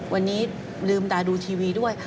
วันนี้ลืมตาดูทีวีด้วย